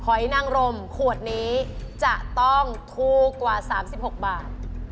อยนางรมขวดนี้จะต้องถูกกว่า๓๖บาท